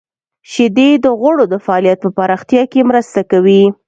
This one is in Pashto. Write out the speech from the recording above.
• شیدې د غړو د فعالیت په پراختیا کې مرسته کوي.